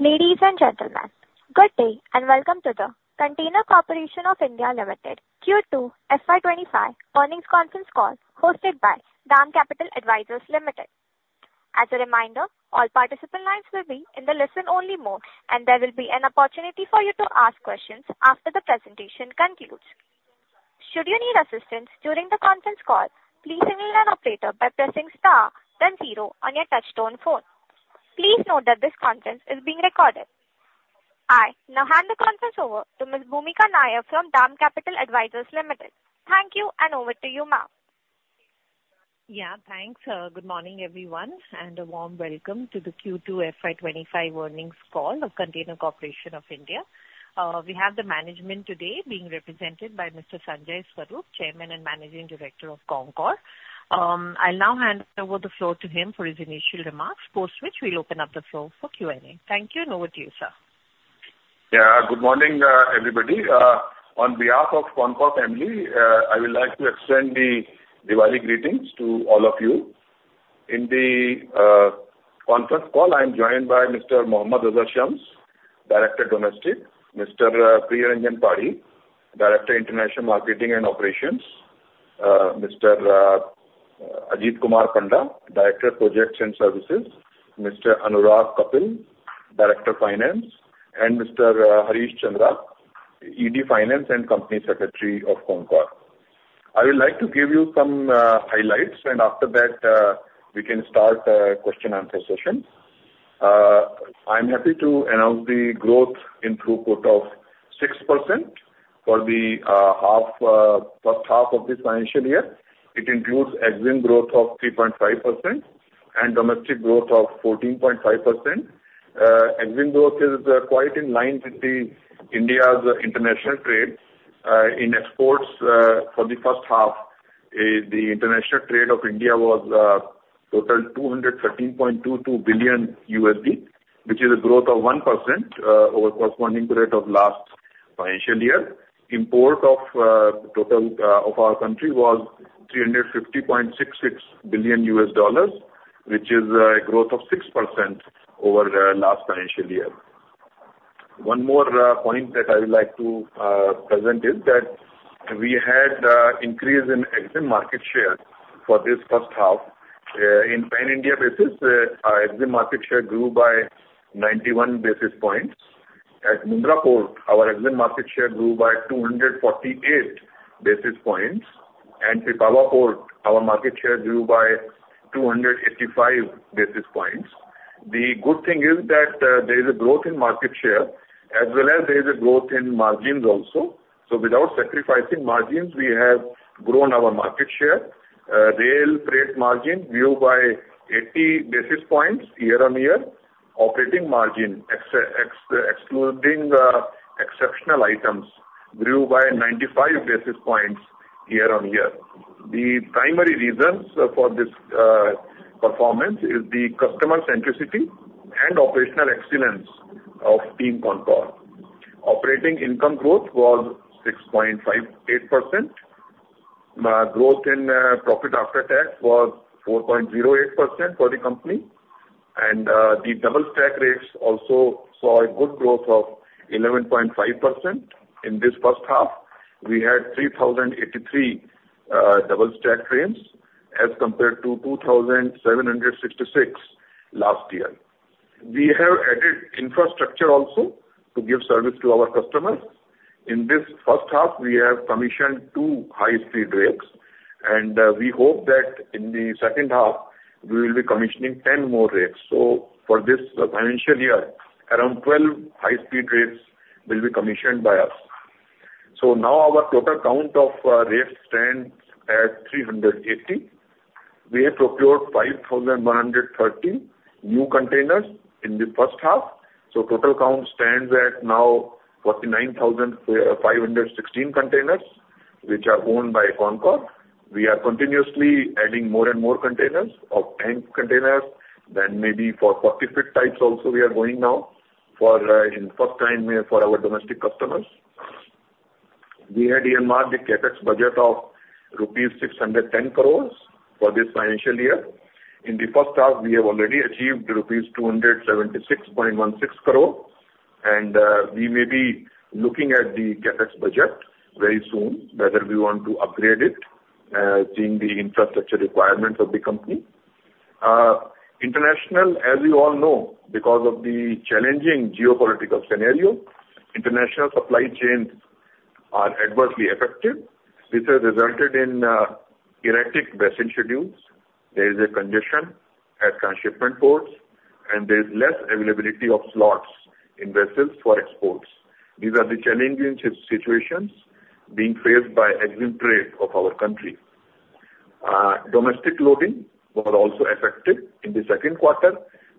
Ladies and gentlemen, good day and welcome to the Container Corporation of India Limited Q2FY 2025 earnings conference call hosted by DAM Capital Advisors Limited. As a reminder, all participant lines will be in the listen-only mode, and there will be an opportunity for you to ask questions after the presentation concludes. Should you need assistance during the conference call, please email an operator by pressing Star, then zero on your touch-tone phone. Please note that this conference is being recorded. I now hand the conference over to Ms. Bhoomika Nair from DAM Capital Advisors Limited. Thank you. And over to you, ma'am. Yeah, thanks. Good morning everyone, and a warm welcome to the Q2FY25 earnings call of Container Corporation of India. We have the management today being represented by Mr. Sanjay Swarup, Chairman and Managing Director of CONCOR. I'll now hand over the floor to him for his initial remarks after which we'll open up the floor for Q &A. Thank you. Over to you, sir. Yeah. Good morning everybody. On behalf of CONCOR family, I would like to extend the Diwali greetings to all of you. In the conference call I am joined by Mr. Mohammed Azhar Shams, Director (Domestic). Mr. Priyaranjan Parhi, Director, International Marketing and Operations. Mr. Ajit Kumar Panda, Director (Projects and Services). Mr. Anurag Kapil, Director (Finance). And Mr. Harish Chandra, Executive Director (Finance) and Company Secretary of CONCOR. I would like to give you some highlights and after that we can start question answer session. I'm happy to announce the growth in throughput of 6% for the first half of this financial year. It includes Exim growth of 3.5% and domestic growth of 14.5%. Exim growth is quite in line with India's international trade in exports. For the first half, the international trade of India was a total of $213.22 billion, which is a growth of 1% over the corresponding period of the last financial year. The import total of our country was $350.66 billion, which is a growth of 6% over the last financial year. One more point that I would like to present is that we had an increase in Exim market share for this first half. On a pan India basis, our Exim market share grew by 91 basis points. At Mundra Port, our Exim market share grew by 248 basis points, and our market share grew by 285 basis points. The good thing is that there is a growth in market share as well as there is a growth in margins also. So without sacrificing margins, we have grown our market share. Rail freight margin grew by 80 basis points year-on-year. Operating margin excluding exceptional items grew by 95 basis points year-on-year. The primary reasons for this performance is the customer centricity and operational excellence of Team CONCOR. Operating income growth was 6.58%. Growth in profit after tax was 4.08% for the company and the double stack rates also saw a good growth of 11.5%. In this first half we had 3,083 double-stack trains as compared to 2,766 last year. We have added infrastructure also to give service to our customers. In this first half we have commissioned two high-speed heavy capacity rakes and we hope that in the second half we will be commissioning 10 more rakes. So for this financial year around 12 high-speed heavy capacity rakes will be commissioned by us. So now our total count of rakes stands at 380. We have procured 5,130 new containers in the first half. Total count stands at now 49,516 containers which are owned by CONCOR. We are continuously adding more and more containers of tank containers, and maybe for 40-foot types. Also we are going now, for the first time, for our domestic customers. We had earmarked the CapEx budget of rupees 610 crore for this financial year. In the first half we have already achieved rupees 276.16 crore and we may be looking at the CapEx budget very soon whether we want to upgrade it seeing the infrastructure requirements of the company. International, as you all know, because of the challenging geopolitical scenario international supply chains are adversely affected. This has resulted in erratic vessel schedules. There is a congestion at transshipment ports and there is less availability of slots in vessels for exports. These are the challenging situations being faced by Exim trade of our country. Domestic loading was also affected in the second quarter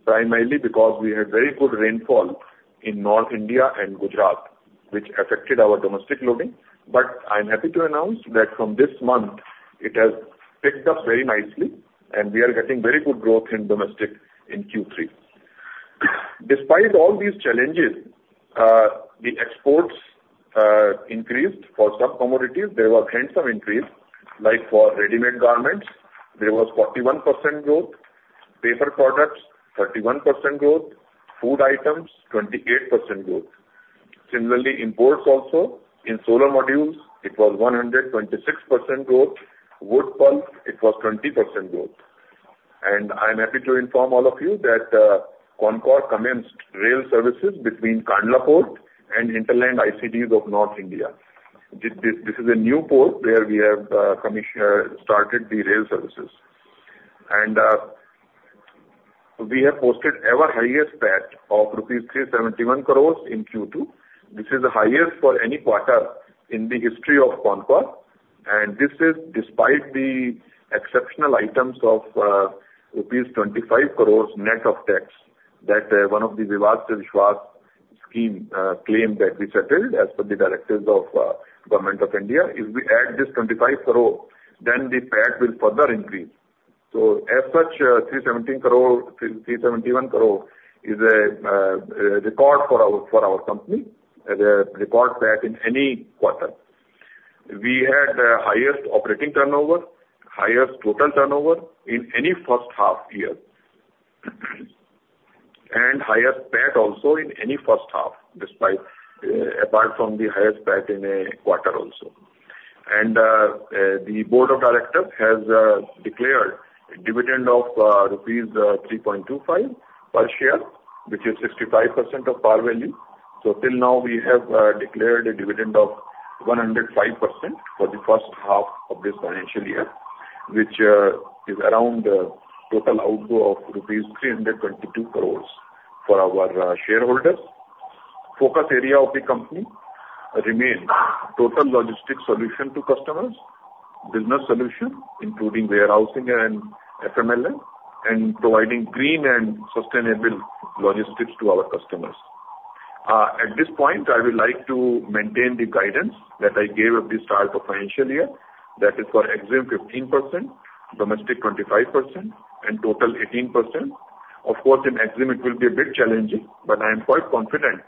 primarily because we had very good rainfall in North India and Gujarat which affected our domestic loading. But I'm happy to announce that from this month it has picked up very nicely and we are getting very good growth in domestic in Q3. Despite all these challenges, the exports increased. For some commodities there was handsome increase like for ready-made garments there was 41% growth. Paper products 31% growth. Food items 28% growth. Similarly imports also in solar modules it was 126% growth. Wood pulp it was 20% growth. And I am happy to inform all of you that CONCOR commenced rail services between Kandla Port and inland ICDs of North India. This is a new port where we have started the rail services and we have posted ever highest PAT of 371 crores rupees in Q2. This is the highest for any quarter in the history of CONCOR, and this is despite the exceptional items of rupees 25 crore net of tax that one of the Vivad Se Vishwas scheme claim that we settled as per the directives of Government of India. If we add this 25 crore then the PAT will further increase, so as such 371 crore is a record for our company. The record PAT in any quarter we had the highest operating turnover, highest total turnover in any first half year and highest PAT also in any first half. Despite apart from the highest PAT in a quarter also, the board of directors has declared dividend of rupees 3.25 per share which is 65% of par value. Till now we have declared a dividend of 105% for the first half of this financial year, which is around total payout of rupees 322 crore for our shareholders. Focus area of the company remains total logistics solution to customers. Business solution including warehousing and FMLM and providing green and sustainable logistics to our customers. At this point I would like to maintain the guidance that I gave at the start of financial year. That is for Exim 15%, domestic 25%, and total 18%. Of course in Exim it will be a bit challenging but I am quite confident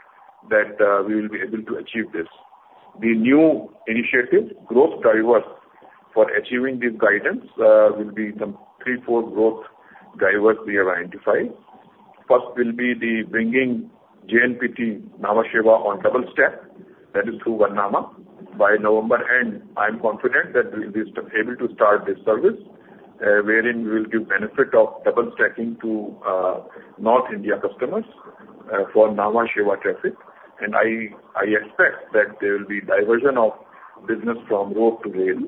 that we will be able to achieve this. The new initiative growth drivers for achieving this guidance will be some 34 growth drivers we have identified. First will be the bringing JNPT Nhava Sheva on double stack that is through Varnama by November end. I am confident that we will be able to start this service wherein we will give benefit of double stacking to North India customers for Nhava Sheva traffic. And I expect that there will be diversion of business from road to rail.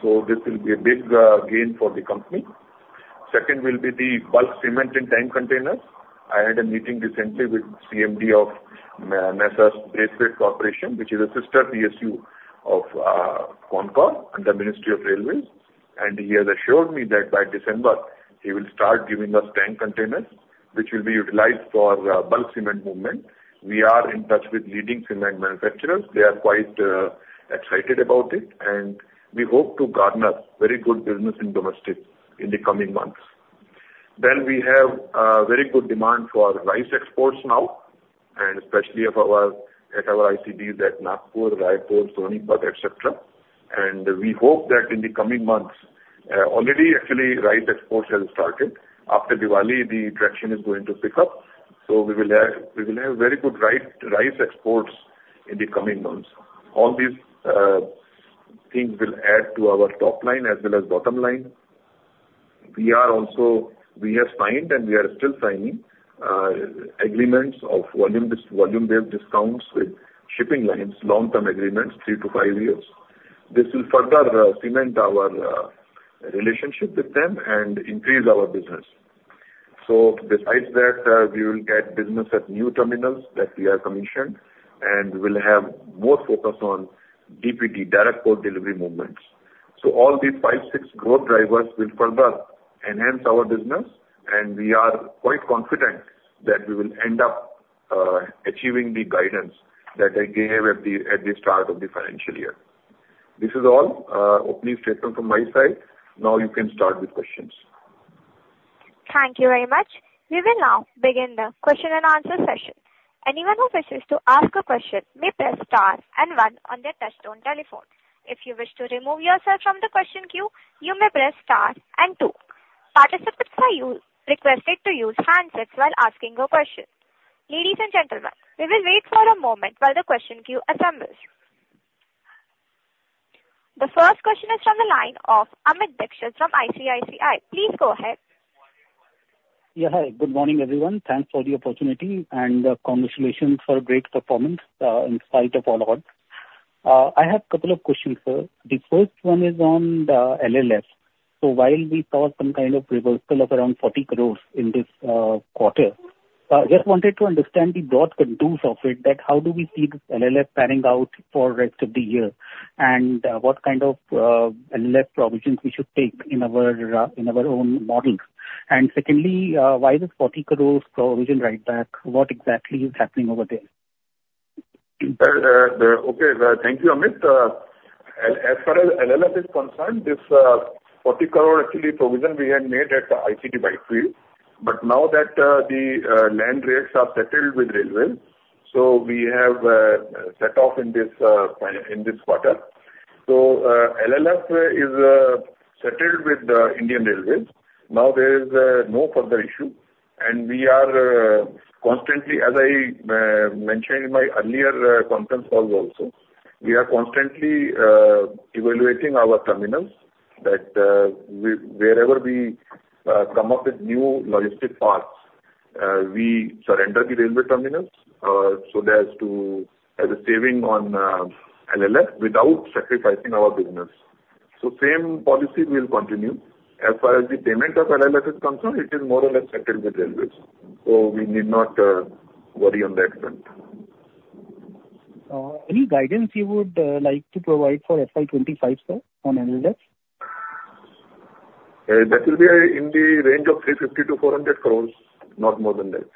So this will be a big gain for the company. Second will be the bulk cement in tank containers. I had a meeting recently with CMD of Braithwaite Corporation which is a sister PSU of CONCOR and the Ministry of Railways. And he has assured me that by December he will start giving us tank containers which will be utilized for bulk cement movement. We are in touch with leading cement manufacturers. They are quite excited about it and we hope to garner very good business in domestic in the coming months. Then we have very good demand for rice exports now, and especially at our ICDs at Nagpur, Raipur, Sonipat, et cetera, and we hope that in the coming months already actually rice exports have started. After Diwali the traction is going to pick up, so we will have very good rice exports in the coming months. All these things will add to our top line as well as bottom line. We are also, we have signed and we are still signing agreements of volume-based discounts with shipping lines. Long-term agreements three to five years. This will further cement our relationship with them and increase our business. Besides that we will get business at new terminals that we are commissioned and we'll have more focus on DPD direct port delivery movements. All these five, six growth drivers will further enhance our business. We are quite confident that we will end up achieving the guidance that I gave at the start of the financial year. This is all opening statement from my side. Now you can start with questions. Thank you very much. We will now begin the question and answer session. Anyone who wishes to ask a question may press star and one on their touch-tone telephone. If you wish to remove yourself from the question queue you may press star and two. Participants are requested to use handsets while asking a question. Ladies and gentlemen, we will wait for a moment while the question queue assembles. The first question is from the line of Amit Dixit from ICICI. Please go ahead. Yeah. Hi. Good morning, everyone. Thanks for the opportunity and congratulations for great performance in spite of all odds. I have a couple of questions, sir. The first one is on the LLF. So while we saw some kind of reversal of around 40 crore in this quarter, I just wanted to understand the broad contours of it that how do we see this LLF panning out for rest of the year and what kind of LLF provisions we should take in our own models. And secondly, why this 40 crore provision write-back? What exactly is happening over there. Okay, thank you. Amit. As far as LLF is concerned, this 40 crore actually provision we had made at the ICD Bhiwandi. But now that the land rates are settled with Railways so we have set off in this quarter. So LLF is settled with the Indian Railways. Now there is no further issue. And we are constantly, as I mentioned in my earlier conference calls also we are constantly evaluating our terminals that wherever we come up with new logistics parks we surrender the railway terminals. So that is a saving on LLF without sacrificing our business. So same policy will continue as far as the payment of LLF is concerned. It is more or less settled with Railways so we need not worry on that front. Any guidance you would like to provide for FY25, sir? On LLF. That will be in the range of 350-400 crore, not more than that.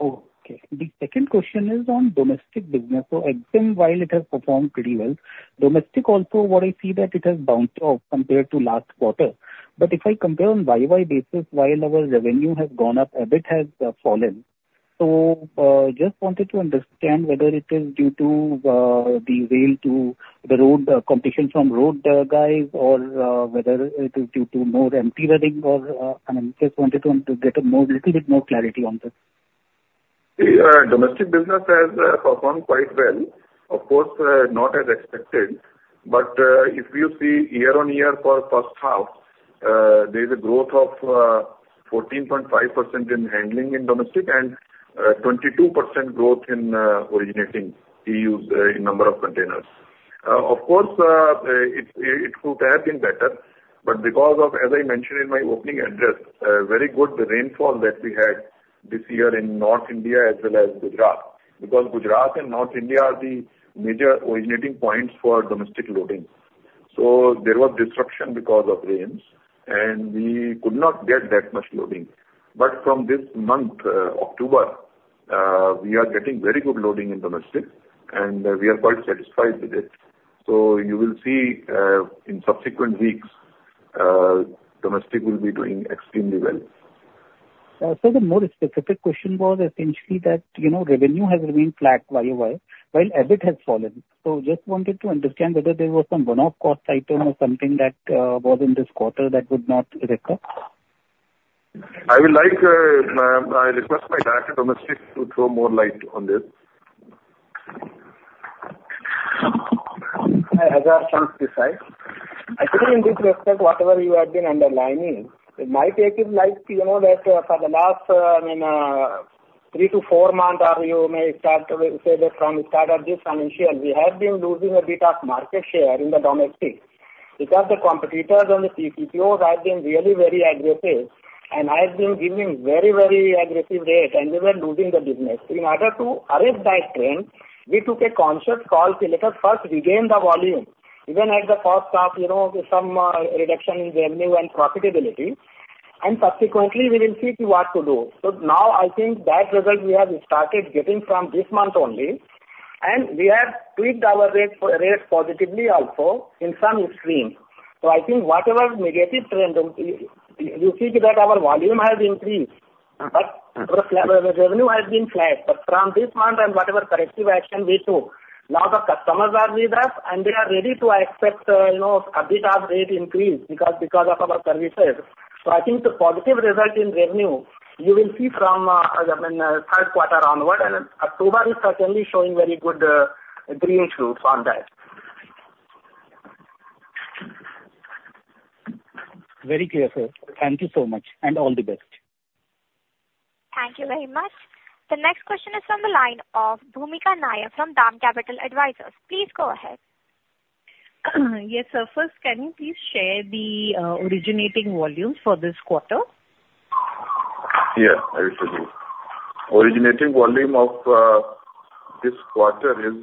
Okay, the second question is on domestic business. So exim while it has performed pretty well domestic also what I see that it has bounced off compared to last quarter. But if I compare YY basis while our revenue has gone up a bit has fallen. So just wanted to understand whether it is due to the rail to the road competition from road guys or whether it is due to more empty running or. Just wanted to get a little bit more clarity on this. Domestic business has performed quite well, of course not as expected, but if you see year-on-year for first half there is a growth of 14.5% in handling in domestic and 22% growth in originating TEUs in number of containers. Of course it could have been better but because of, as I mentioned in my opening address, very good rainfall that we had this year in North India as well as Gujarat because Gujarat and North India are the major originating points for domestic loading, so there was disruption because of rains and we could not get that much loading, but from this month, October, we are getting very good loading in domestic and we are quite satisfied with it, so you will see in subsequent weeks domestic will be doing extremely well. The more specific question was essentially that, you know, revenue has remained flat while EBIT has fallen. Just wanted to understand whether there was some one-off cost item or something that was in this quarter that would not recur. I would like. I request my Director Domestic to throw more light on this. I think in this respect whatever you have been underlining, my take is like, you know that for the last three to four months or you may start say that from start at this financial we have been losing a bit of market share in the domestic because the competitors on the CTOs have been really very aggressive and I have been giving very very aggressive rate and we were losing the business. In order to arrest that trend we took a conscious call. Let us first regain the volume even at the cost of some reduction in revenue and profitability and subsequently we will see what to do. So now I think that result we have started getting from this month only and we have tweaked our rate positively also in some streams. So, I think whatever negative trend you see, that our volume has increased but revenue has been flat. But from this month and whatever corrective action we took, now the customers are with us and they are ready to accept, you know, EBITDA rate increase because of our services. So, I think the positive result in revenue you will see from third quarter onward. And October is certainly showing very good green shoots on that. Very clear, sir. Thank you so much and all the best. Thank you very much. The next question is from the line of Bhoomika Nair from DAM Capital Advisors. Please go ahead. Yes sir. First, can you please share the originating volumes for this quarter? Yes. Originating volume of this quarter is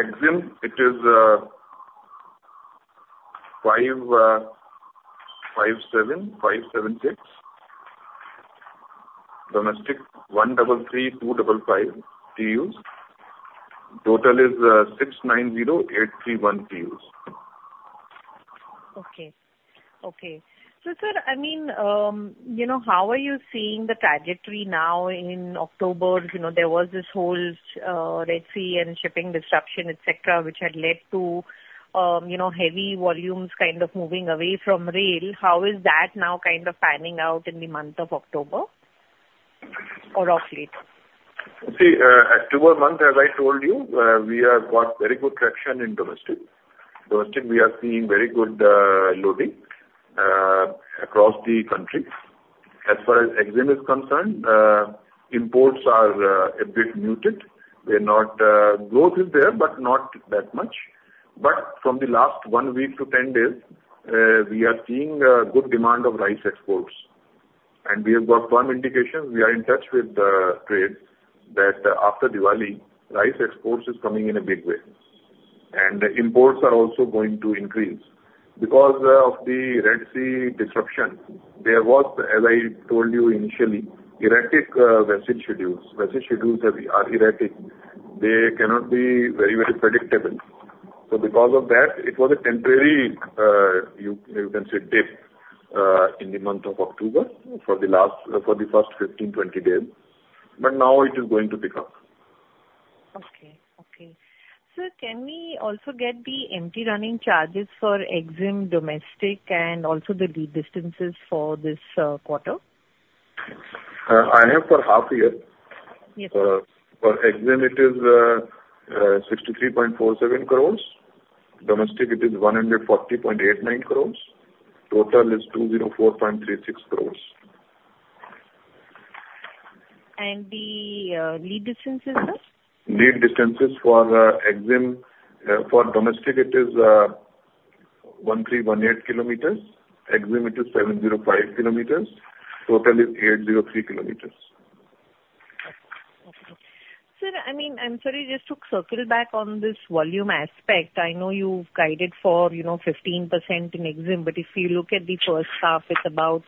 Exim. It is 557,576 domestic 133,255 TEUs. Total is 690,831 TEUs. Okay. Okay. So sir, I mean you know, how are you seeing the trajectory now in October? You know, there was this whole Red Sea and shipping disruption etc which had led to you know, heavy volumes kind of moving away from rail. How is that now kind of panning out in the month of October or off fleet? In October month. As I told you, we have got very good traction in domestic. Domestic we are seeing very good loading across the country. As far as Exim is concerned, imports are a bit muted. Growth is there but not that much, but from the last one week to 10 days we are seeing good demand of rice exports. And we have got firm indications, we are in touch with trade that after Diwali, rice exports is coming in a big way. And imports are also going to increase because of the Red Sea disruption. There was, as I told you initially, erratic vessel schedules. They cannot be very, very predictable. So because of that it was a temporary, you can say, dip in the month of October for the first 15-20 days, but now it is going to pick up. Okay. Okay. So can we also get the empty running charges for EXIM domestic and also the lead distances for this quarter? EBITDA for half year for EXIM it is 63.47 crores. Domestic it is 140.89 crores. Total is 204.36 crores. And the lead distances for. Exim, for domestic it is 1,318 kilometers. Exim is 705 kilometers. Total is 803 kilometers. Sir, I mean, I'm sorry, just to circle back on this volume aspect. I know you guided for 15% in EXIM, but if you look at the first half, it's about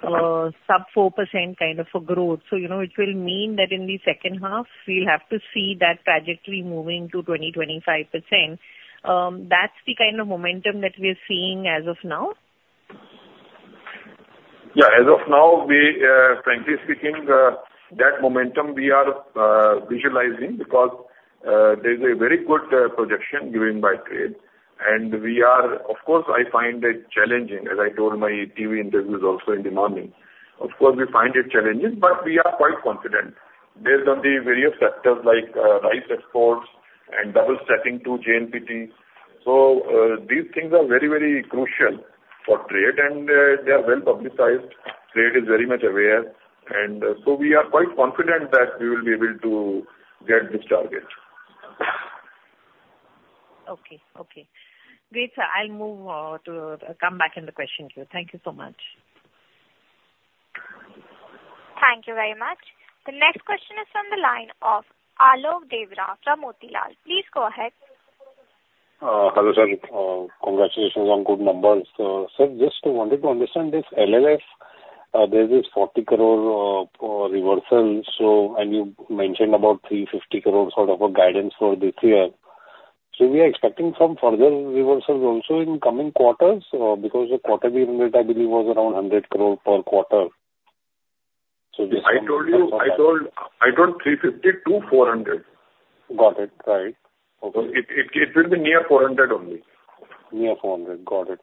sub 4% kind of a growth. So, you know, it will mean that in the second half we'll have to see that trajectory moving to 20-25%. That's the kind of momentum that we are seeing as of now. Yeah, as of now, we frankly speaking, that momentum we are visualizing because there is a very good projection given by trade, and we are of course. I find it challenging as I told my TV interviews also in the morning. Of course, we find it challenging, but we are quite confident based on the various sectors like rice exports and double stacking to JNPT. So these things are very very crucial for trade and they are well publicized. Trade is very much aware and so we are quite confident that we will be able to get this target. Okay. Okay, great, sir. I'll move to come back in the question queue. Thank you so much. Thank you very much. The next question is from the line of Alok Deora from Motilal Oswal. Please go ahead. Hello, sir. Congratulations on good numbers, sir, just wanted to understand this LLF. There's this 40 crore reversal, so andyou mentioned about 350 crore sort of our guidance for this year. So we are expecting some further reversals. Also in coming quarters because the quarterback. I believe was around 100 crore per quarter. So I told you 350 to 400. Got it? Right. Okay. It will be near 400. Only near 400. Got it?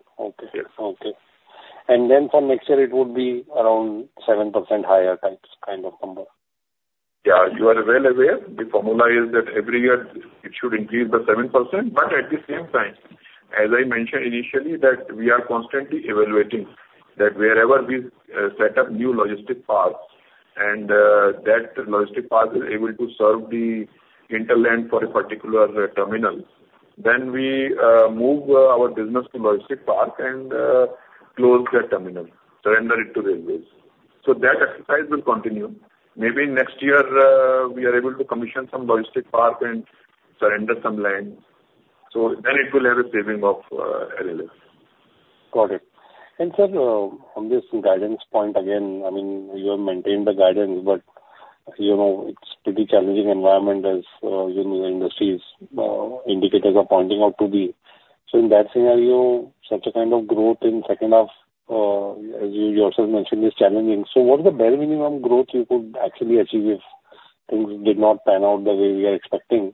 And then for next year it would be around 7% higher, this kind of number. Yeah, you are well aware the formula is that every year it should increase by 7%. But at the same time as I mentioned initially that we are constantly evaluating that wherever we set up new logistic parks and that logistic park is able to serve the ICD for a particular terminal. Then we move our business to logistic park and close the terminal, surrender it to Railways so that exercise will continue maybe next year we are able to commission some logistic park and surrender some land so then it will have an impact on LLFs. Got it. And sir, on this guidance point again I mean you have maintained the guidance but you know it's pretty challenging environment as you know industry indicators are pointing out to be. So, in that scenario, such a kind. Of growth in second half as you. yourself mentioned it is challenging. What is the bare minimum growth? You could actually achieve if things did not pan out the way we are. Expecting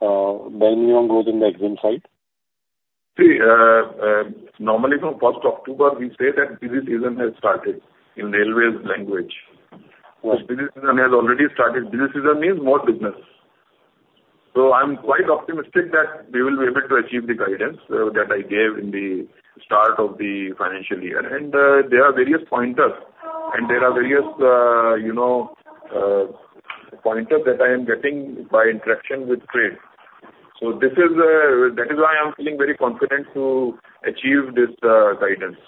barely any growth on the EXIM side. See, normally from first October we say that busy season has started. In railway's language, it has already started. Business means more business, so I'm quite optimistic that we will be able to achieve the guidance that I gave in the start of the financial year. And there are various pointers and there are various, you know, pointers that I am getting by interaction with trade. So this is. That is why I am feeling very confident to achieve this guidance.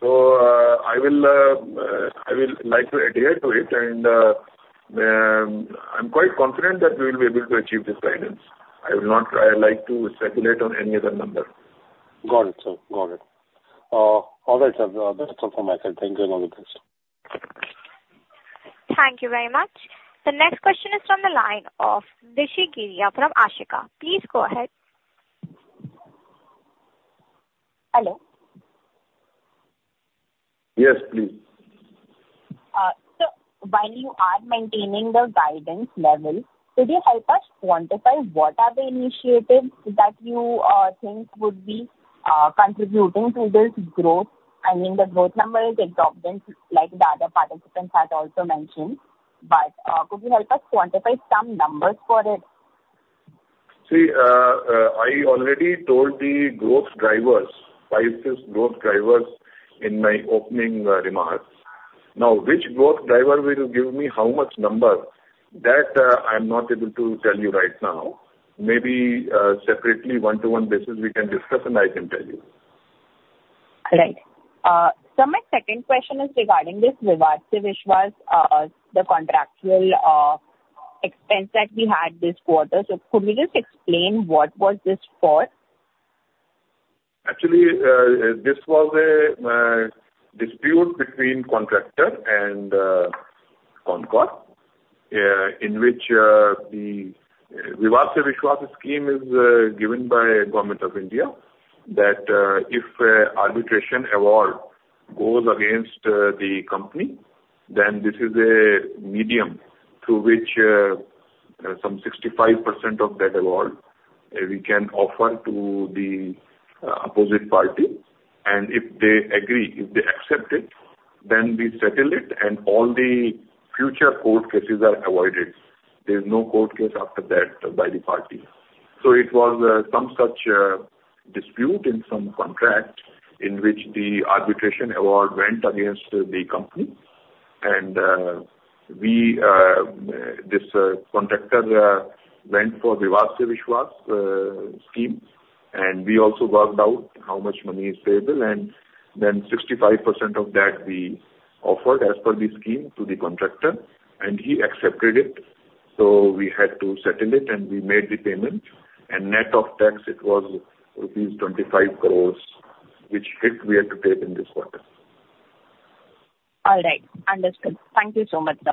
So I will, I will like to adhere to it. And I'm quite confident that we will be able to achieve this guidance. I will not try like to speculate on any other number. Got it sir. Got it. All right sir. That's all for myself. Thank you. All the best. Thank you very much. The next question is from the line of Rishi Giriya from Ashika. Please go ahead. Hello. Yes please. So, while you are maintaining the guidance level, could you help us quantify what are the initiatives that you think would be contributing to this growth? I mean, the growth number is exorbitant, like the other participants had also mentioned. But, could you help us quantify some numbers for it? See, I already told the growth drivers five, six growth drivers in my opening remarks. Now which growth driver will give me how much number? That I'm not able to tell you right now. Maybe separately one to one basis we can discuss, and I can tell you. Right. My second question is regarding this Vivad Se Vishwas. The contractual expense that we had this quarter. Could we just explore explain what was this for? Actually, this was a dispute between contractor and CONCOR in which the Vivad Se Vishwas scheme is given by Government of India. That if arbitration award goes against the company then this is a medium through which some 65% of that award we can offer to the opposite party. And if they agree, if they accept it then we settle it. And all the future court cases are avoided. There is no court case after that by the party. So it was some such dispute in some contract in which the arbitration award went against the company. And the contractor went for Vivad Se Vishwas scheme. And we also worked out how much money is payable. And then 65% of that we offered as per the scheme to the contractor and he accepted it. So we had to settle it. We made the payment, and net of tax it was rupees 25 crores, which hit we have to take in this quarter. All right, understood. Thank you so much, sir.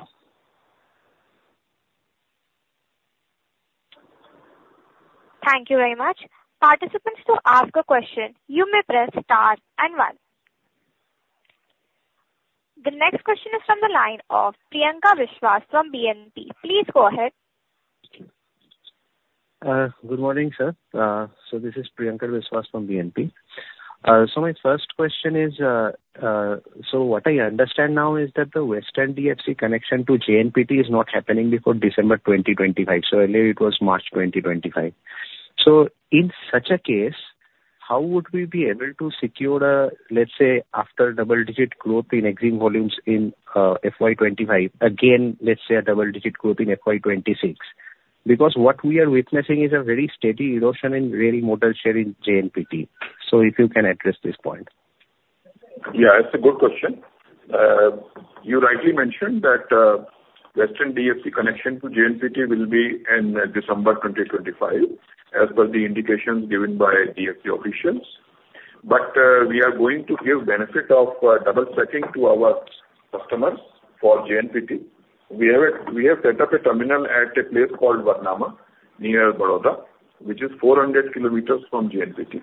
Thank you very much. Participants, to ask a question, you may press star and one. The next question is from the line of Priyankar Biswas from BNP Paribas. Please go ahead. Good morning, sir. So this is Priyankar Biswas from BNP Paribas. So my first question is. So what I understand now is that the Western DFC connection to JNPT is not happening before December 2025. So earlier it was March 2025. So in such a case how would we be able to secure a. Let's say after double digit growth in existing volumes in FY25. Again let's say a double digit growth in FY26 because what we are witnessing is a very steady erosion in rail modal share in JNPT. So if you can address this point. Yeah, it's a good question. You rightly mentioned that Western DFC connection to JNPT will be in December 2025 as per the indications given by DFC officials. But we are going to give benefit of double stacking to our customers for JNPT. We have set up a terminal at a place called Varnama near Vadodara which is 400 km from JNPT.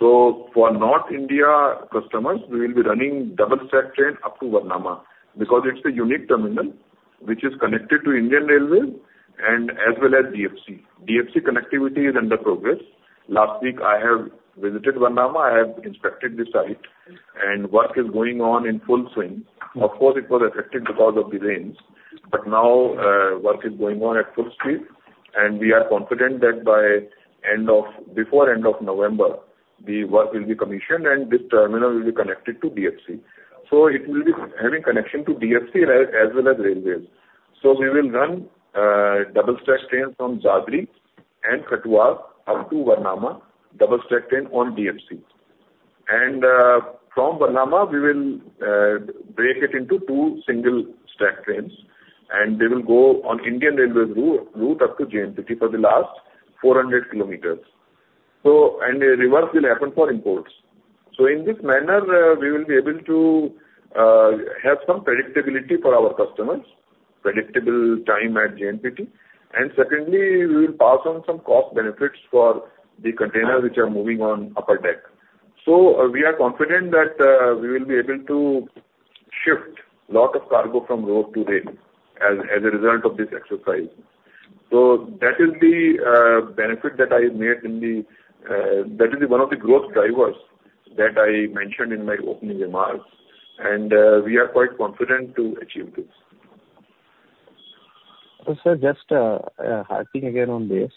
So for North India customers we will be running double stack train up to Varnama because it's the unique terminal which is connected to Indian Railways and as well as DFC connectivity is under progress. Last week I have visited Varnama, I have inspected the site and work is going on in full swing. Of course it was affected because of the rains but now work is going on at full speed and we are confident that by before end of November the work will be commissioned and this terminal will be connected to DFC. It will be having connection to DFC as well as Railways. We will run double-stack trains from Dadri and Kathuwas up to Varnama double-stack train on DFC and from Varnama we will break it into two single stack trains and they will go on Indian railway route up to JNPT for the last 400 kilometers. The reverse will happen for imports. In this manner we will be able to have some predictability for our customers predictable time at JNPT and secondly we will pass on some cost benefits for the containers which are moving on upper deck. We are confident that we will be able to shift lot of cargo from road to rail as a result of this exercise. That is the benefit. That is one of the growth drivers that I mentioned in my opening remarks and we are quite confident to achieve this. Sir, just harping again on this,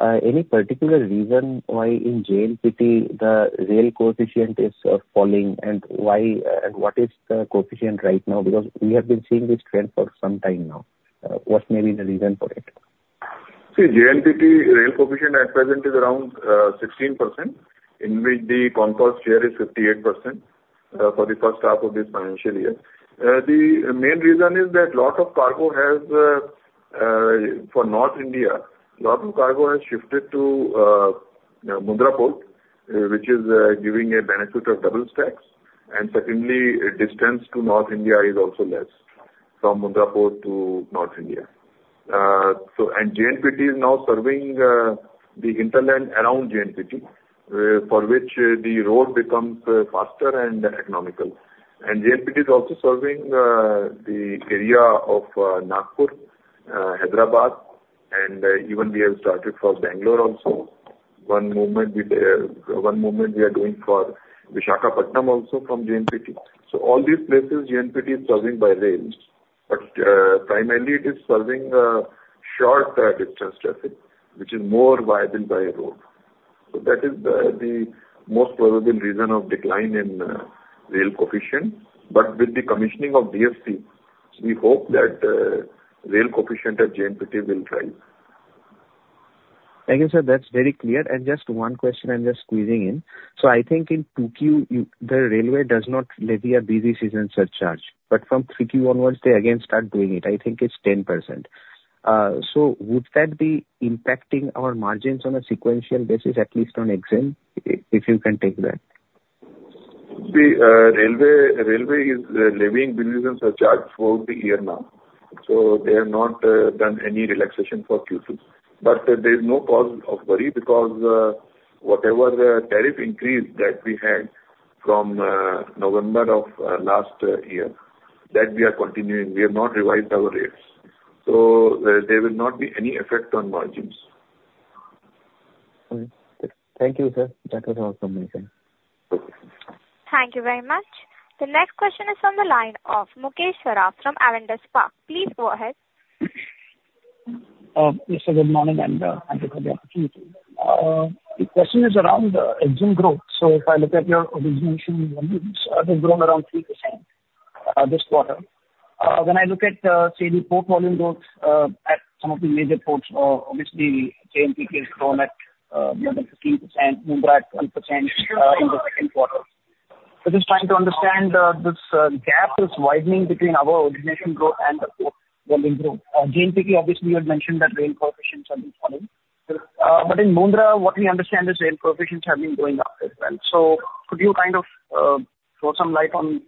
any particular reason why in JNPT the rail coefficient is falling and why and what is the coefficient right now? Because we have been seeing this trend for some time now. What may be the reason for it? See, JNPT rail coefficient at present is around 16% in which the CONCOR share is 58% for the first half of this financial year. The main reason is that lot of cargo has for North India lot of cargo has shifted to Mundra which is giving a benefit of double stacks. Secondly distance to North India is also less from Mundra to North India. JNPT is now serving the hinterland around JNPT for which the road becomes faster and economical. JNPT is also serving the area of Nagpur, Hyderabad. Even we have started for Bengaluru also. One movement we are doing for Visakhapatnam also from JNPT. All these places JNPT is serving by rail. But primarily it is serving short distance traffic which is more viable by road. That is the most probable reason of decline in rail coefficient. But with the commissioning of DSP we hope that rail coefficient at JNPT will rise. Thank you sir, that's very clear. And just one question. I'm just squeezing in. So I think in 2Q the railway does not levy a busy season surcharge. But from 3Q onwards they again start doing it. I think it's 10%. So would that be impacting our margins on a sequential basis at least on exim? If you can take that. See, railway. Railway is levying Busy Season Surcharge for the year now. So they have not done any relaxation for Q2. But there is no cause of worry because whatever the tariff increase that we had from November of last year that we are continuing, we have not revised our rates. So there will not be any effect on margins. Thank you, sir. That was awesome. Thank you very much. The next question is on the line of Mukesh Saraf from Avendus Spark. Please go ahead. Yes, sir. Good morning, and thank you for the opportunity. The question is around inland growth. So if I look at your origination, they've grown around 3% this quarter. When I look at, say, the port volume growth at some of the major ports. Obviously, JNPT has grown at more than 15%, Mundra at 12% in the second quarter. We're just trying to understand this gap is widening between our origination growth and the port JNPT. Obviously, you had mentioned that rail concessions have been falling. But in Mundra, what we understand is rail proportions have been going up as well. So could you kind of throw some light on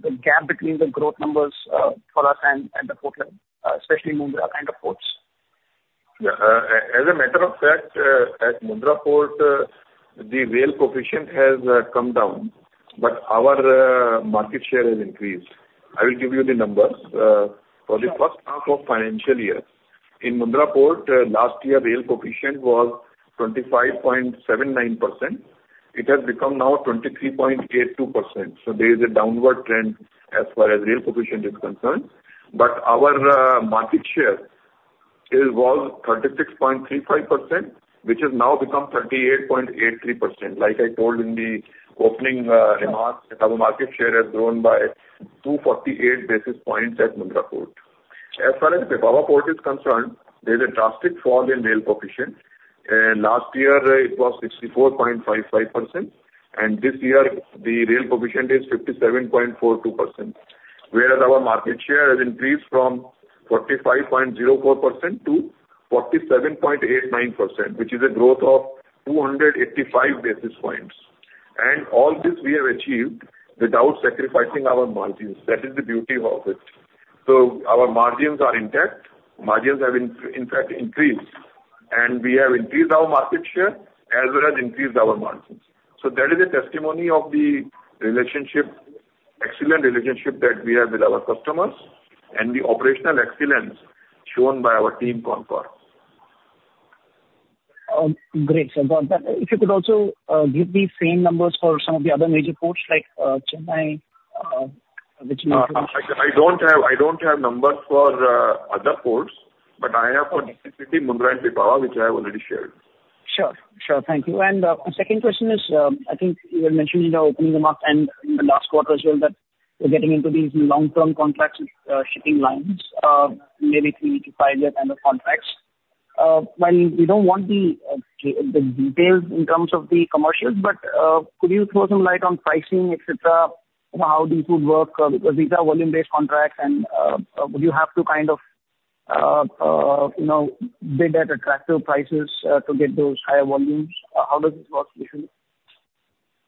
the gap between the growth numbers for us and the port level, especially Mundra kind of ports. As a matter of fact at Mundra Port the rail coefficient has come down but our market share has increased. I will give you the numbers for the first half of financial year. In Mundra Port last year rail coefficient was 25.79%. It has become now 23.82%. So there is a downward trend as far as rail coefficient is concerned. But our market share was 36.35% which has now become 38.83%. Like I told in the opening remarks, our market share has grown by 248 basis points at Mundra Port. As far as Pipavav Port is concerned there is a drastic fall in rail coefficient. Last year it was 64.55% and this year the rail coefficient is 57.42% whereas our market share has increased from 45.04% to 47.89% which is a growth of 285 basis points. And all this we have achieved without sacrificing our margins. That is the beauty of it. So our margins are intact. Margins have in fact increased and we have increased our market share as well as increased our margins. So that is a testimony of the relationship, excellent relationship that we have with our customers and the operational excellence shown by our team. CONCOR. Great. If you could also give the same numbers for some of the other major ports like Chennai. I don't have numbers for other ports but I have for Mundra, which I have already shared. Sure, sure. Thank you. And my second question is I think you mentioned in the opening remarks and in the last quarter as well that we're getting into these long-term contracts with shipping lines. Maybe three- to five-year kind of contracts. While we don't want the details in terms of the commercials but could you throw some light on pricing etc. how these would work because these are volume-based contracts and you have to kind of bid at attractive prices to get those higher volumes. How does this work?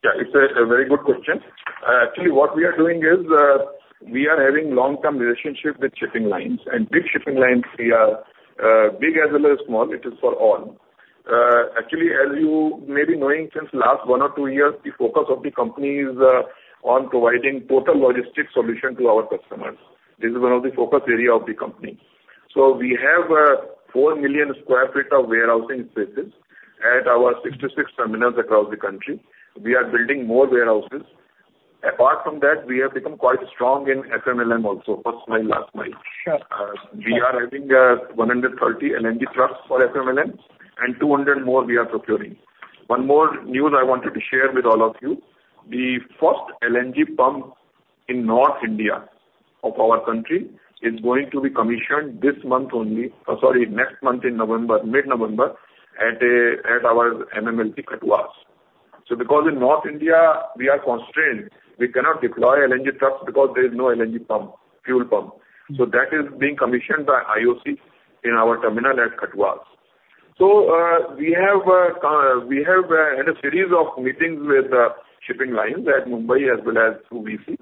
Yeah, it's a very good question actually. What we are doing is we are having long-term relationship with shipping lines and big shipping lines. We are big as well as small. It is for all actually as you may be knowing since last one or two years the focus of the company is on providing total logistics solution to our customers. This is one of the focus area of the company. So we have four million sq ft of warehousing spaces at our 66 terminals across the country. We are building more warehouses. Apart from that we have become quite strong in FMLM also. First mile, last mile we are having 130 LNG trucks for FMLM and 200 more. We are procuring. One more news I wanted to share with all of you. The first LNG pump in North India of our country is going to be commissioned this month only. Sorry, next month in November, mid-November at our MMLP at Kathuwas, so because in North India we are constrained we cannot deploy LNG trucks because there is no LNG pump, fuel pump, so that is being commissioned by IOC in our terminal at Kathuwas, so we have had a series of meetings with shipping lines at Mumbai as well as UAE,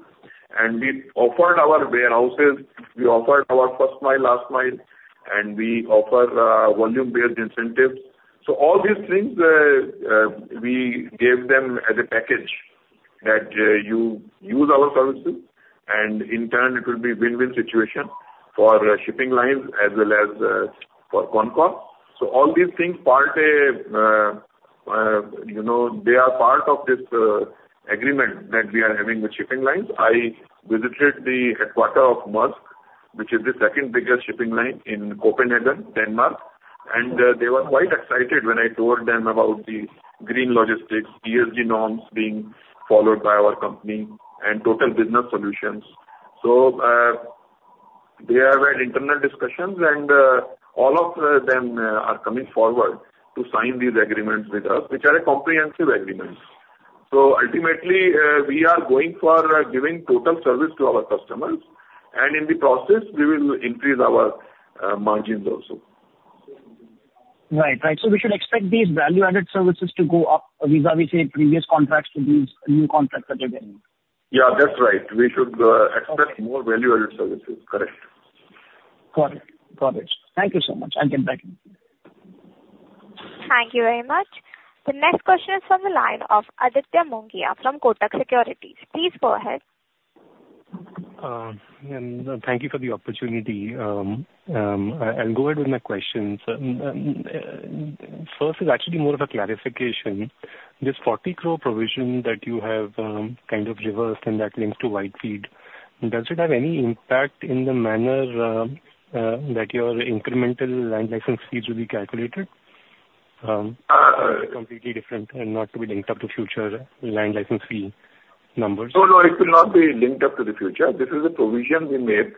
and we offered our warehouses, we offered our first mile, last mile and we offer volume-based incentives, so all these things we gave them as a package that you use our services, and in turn it will be win-win situation for shipping lines as well as for CONCOR, so all these things, part of a, you know they are part of this agreement that we are having with shipping lines. I visited the headquarters of Maersk, which is the second biggest shipping line in Copenhagen, Denmark, and they were quite excited when I told them about the green logistics ESG norms being followed by our company and Total Business Solutions. So they have had internal discussions and all of them are coming forward to sign these agreements with us, which are a comprehensive agreement. So ultimately we are going for giving total service to our customers and in the process we will increase our margins also. Right, right. So we should expect these value added services to go up. Vis-à-vis, we say previous contracts to these new contracts that they're getting. Yeah, that's right. We should expect more value added services. Correct. Got it. Got it. Thank you so much. I'm back in. Thank you very much. The next question is from the line of Aditya Mongia from Kotak Securities. Please go ahead. Thank you for the opportunity. I'll go ahead with my questions. First is actually more of a clarification. This 40 crore provision that you have kind of reversed and that links to Vivad Se Vishwas, does it have any impact in the manner that your incremental land license fees will be calculated completely different and not to be linked up to future land license fee numbers? Oh no, it will not be linked up to the future. This is a provision we made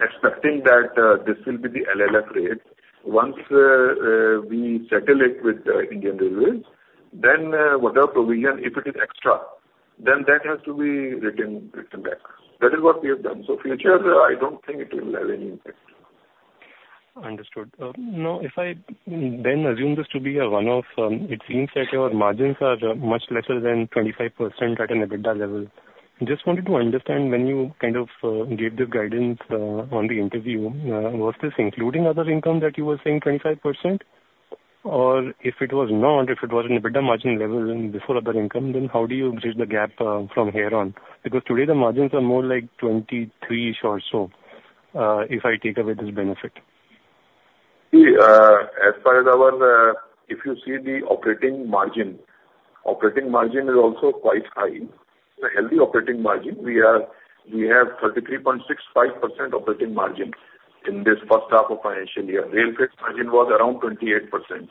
expecting that this will be the LLF rate once we settle it with Indian Railways. Then whatever provision, if it is extra then that has to be written back. That is what we have done. So future I don't think it will have any impact. Understood. Now if I then assume this to be a one off, it seems that your margins are much lesser than 25% at an EBITDA level. Just wanted to understand when you kind of gave the guidance on the interview, was this including other income that you were saying 25% or if? If it was not. If it was an EBITDA margin level and before other income then how do? You raise the gap from here on? Because today the margins are more like 23-ish% or so. If I take away this benefit. If you see the operating margin, operating margin is also quite high. The healthy operating margin we are. We have 33.65% operating margin in this half of financial year. Real estate margin was around 28%.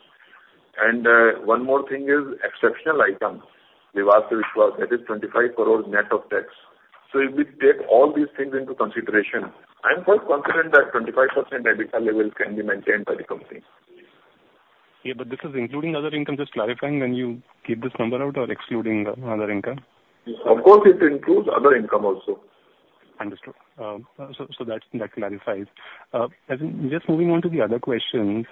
One more thing is exceptional item that is 25 crore net of tax. So if we take all these things into consideration, I am quite confident that 25% EBITDA level can be maintained by the company. Yeah, but this is including other income. Just clarifying when you keep this number out or excluding other income. Of course it includes other income also. Understood. So that clarifies. Just moving on to the other questions.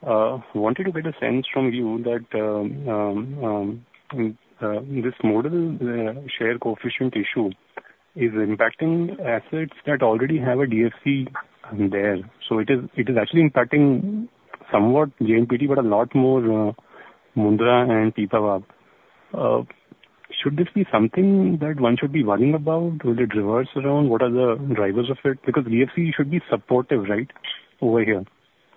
Wanted to get a sense from you. That. This modal share coefficient issue is impacting assets that already have a DFC there. So it is actually impacting somewhat JNPT but a lot more Mundra and T. Should this be something that one should be worrying about? Will it reverse? What are the drivers of it? Because WDFC should be supportive right over here.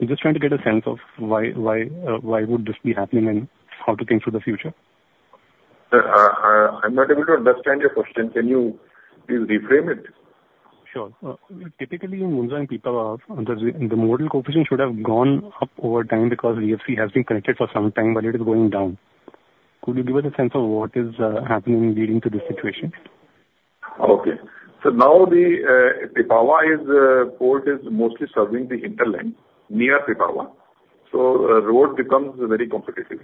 I'm just trying to get a sense of why, why, why would this be happening and how to think for the future. I'm not able to understand your question. Can you please rephrase it? Sure. Typically in Mundra and Pipavav the modal coefficient should have gone up over time because Western DFC has been connected for some time but it is going down. Could you give us a sense of what is happening leading to this situation? Okay, so now the Pipavav Port is mostly serving the inland link near Pipavav. So road becomes very competitive.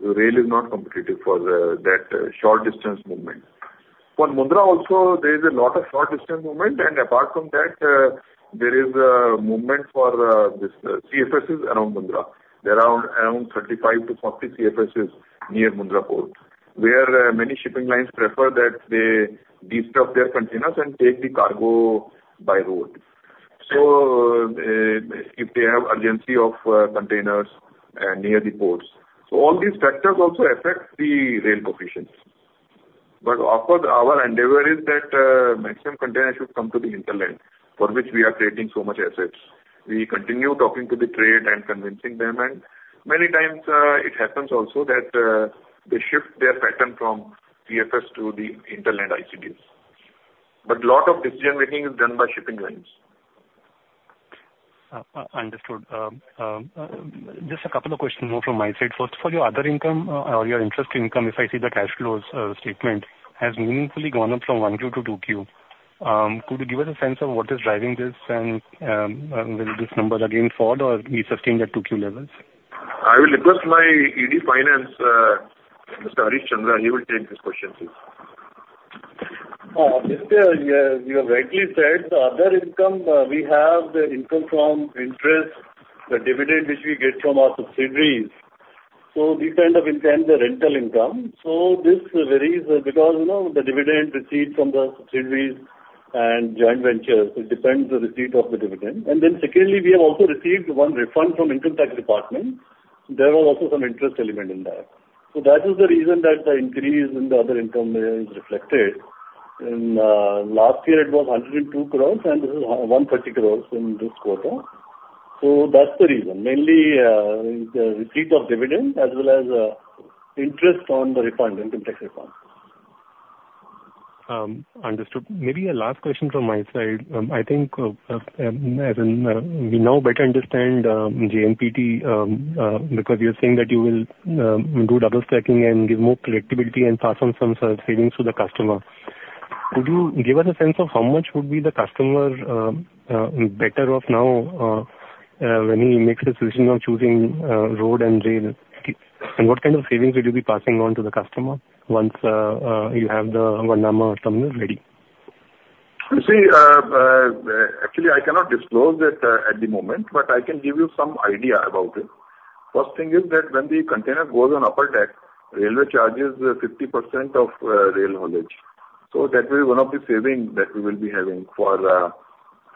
The rail is not competitive for that short distance movement. For Mundra also there is a lot of short distance movement and apart from that there is a movement for CFSs around Mundra. There are around 35-40 CFSs near Mundra port where many shipping lines prefer that they de-stuff their containers and take the cargo by road. So if they have urgency of containers near the ports. So all these factors also affect the rail contention. But of course our endeavor is that maximum container should come to the inland end for which we are creating so much assets. We continue talking to the trade and convincing them and many times it happens also that they shift their pattern from CFS to the inland and ICDs. But a lot of decision making is done by shipping lines. Understood. Just a couple of questions more from my side. First for your other income or your interest income. If I see the cash flow statement has meaningfully gone up from 1Q to 2Q, could you give us a sense of what is driving this and will this number again fall or be sustained? At two Q levels, I will request my ED Finance, Harish Chandra. He will take this question, please. You have rightly said the other income we have the income from interest, the dividend which we get from our subsidiaries. So these kind of incomes are rental income. So this varies because you know the dividend received from the subsidiaries and joint ventures, it depends the receipt of the dividend. And then secondly we have also received one refund from Income Tax Department. There was also some interest element in that. So that is the reason that the increase in the other income is reflected. In last year it was 102 crores and this is 130 crores in this quarter. So that's the reason mainly the receipt of dividend as well as interest on the income tax refund. Understood. Maybe a last question from my side. I think as we now better understand JNPT because you're saying that you will do double stacking and give more connectivity and pass on some savings to the customer. Could you give us a sense of how much would be the customer better off now when he makes the decision of choosing road and rail? And what kind of savings would you be passing on to the customer once you have the Varnama terminal ready? See, actually I cannot disclose it at the moment but I can give you some idea about it. First thing is that when the container goes on upper deck, Railway charges 50% of rail haulage. So that will be one of the saving that we will be having for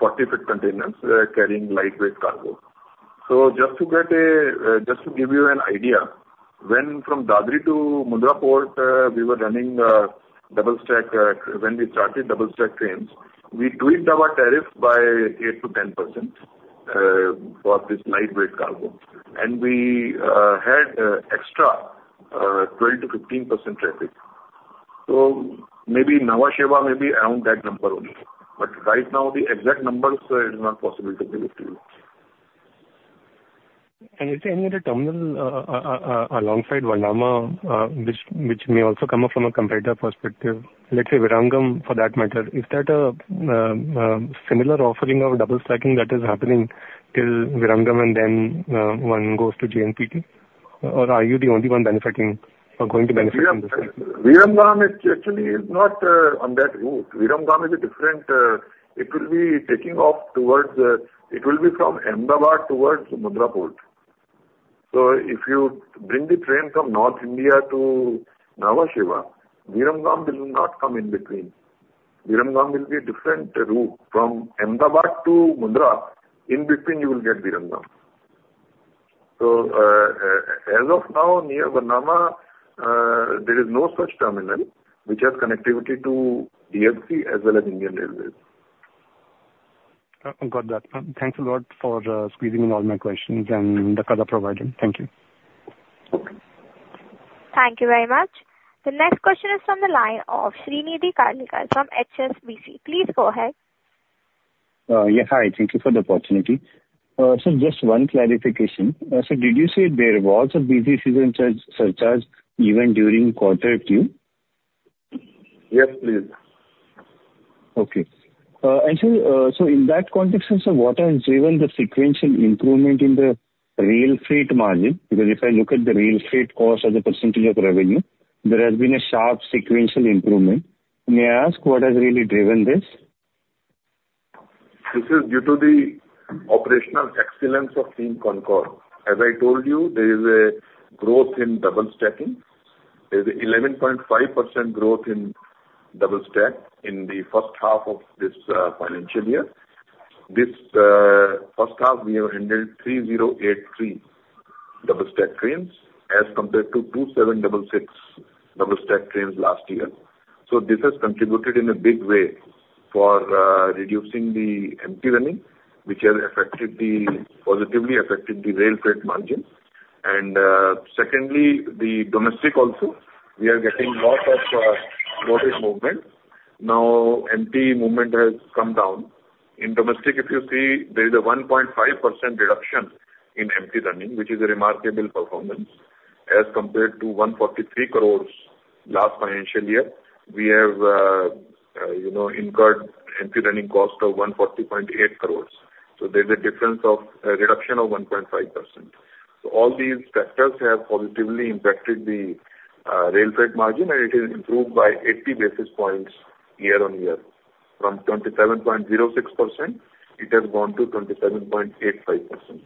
40ft containers carrying lightweight cargo. Just to give you an idea, when from Dadri to Mundra Port we were running double stack, when we started double stack trains we tweaked our tariff by 8%-10% for this lightweight cargo and we had extra 12%-15% traffic. So maybe Nhava Sheva may be around that number only. But right now the exact numbers it is not possible to give it to you. Is there any other terminal alongside Varnama which may also come up from a competitor perspective? Let's say Viramgam for that matter. Is that a similar offering of double stacking that is happening till Viramgam and then one goes to JNPT or are you the only one benefiting or going to benefit from this Viramgam? It actually is not on that route. Viramgam is a different. It will be taking off towards. It will be from Ahmedabad towards Mundra. So if you bring the train from North India to Nhava Sheva, Viramgam will not come in between. Viramgam will be a different route from Ahmedabad to Mundra. In between you will get Viramgam. So as of now near Varnama there is no such terminal which has connectivity to DFC as well as Indian Railways. Got that. Thanks a lot for squeezing in all. My questions and the call are provided. Thank you. Thank you very much. The next question is from the line of Shrinidhi Karlekar from HSBC. Please go ahead. Yeah. Hi. Thank you for the opportunity. So just one clarification. So did you say there was a busy season surcharge even during quarter two? Yes, please. Okay, so in that context, what has driven the sequential improvement in the rail fleet margin? Because if I look at the rail freight cost as a percentage of revenue, there has been a sharp sequential improvement. May I ask what has really driven this? This is due to the operational excellence of Team CONCOR. As I told you, there is a growth in double stacking. There's 11.5% growth in double-stack in the first half of this financial year. This first half we have handled 3083 double-stack trains as compared to 2766 double-stack trains last year. So this has contributed in a big way for reducing the empty running which has affected the positively affected the rail freight margins. And secondly the domestic also we are getting lot of now empty movement has come down in domestic. If you see there is a 1.5% reduction in empty running which is a remarkable performance as compared to 143 crores last financial year. We have, you know incurred empty running cost of 140.8 crores. So there's a difference of reduction of 1.5%. All these factors have positively impacted the rail freight margin and it has improved by 80 basis points year-on-year from 27.06%. It has gone to 27.85%.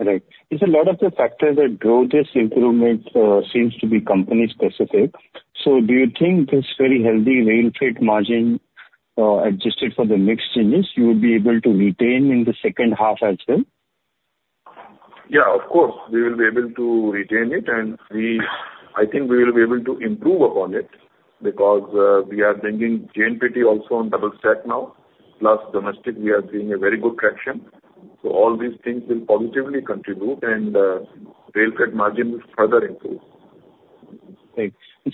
Right. It's a lot of the factors that. Does this improvement seem to be company specific? So do you think this very healthy rail freight margin adjusted for the mix changes you would be able to retain in the second half as well? Yes, of course we will be able to retain it and I think we will be able to improve upon it because we are bringing JNPT also on double stack now, plus domestic we are seeing a very good traction, so all these things will positively continue and realized margin will further improve.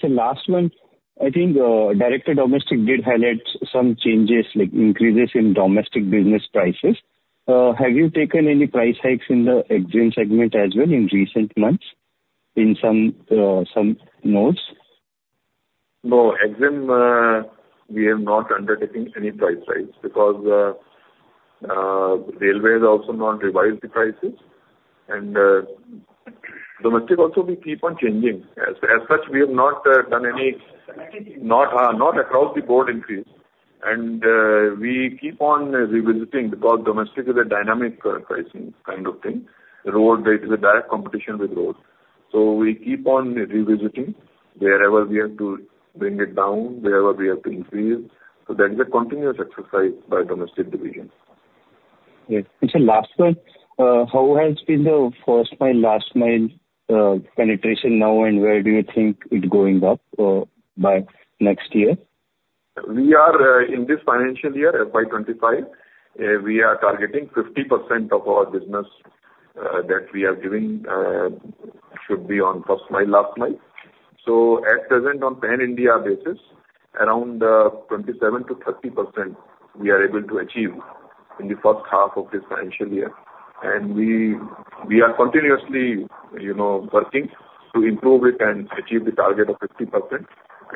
Last one, I think Director Domestic did highlight some changes like increases in domestic business prices. Have you taken any price hikes in the EXIM segment as well in recent months in some notes? No, Exim, we have not undertaken any price rise because railways also not revised the prices and domestic also we keep on changing as such. We have not done any, not across the board road increase and we keep on revisiting because domestic is a dynamic pricing kind of thing. Road, it is a direct competition with road. So we keep on revisiting wherever we have to bring it down wherever we have to increase. So that is a continuous exercise by domestic division. Last one. How has been the first mile, last mile penetration now and where do you think it going up by next year? We are in this financial year, FY25. We are targeting 50% of our business that we are giving should be on first mile, last mile. At present on Pan India basis around 27%-30% we are able to achieve in the first half of this financial year and we are continuously, you know, working to improve it and achieve the target of 50%.